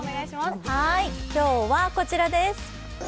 今日はこちらです。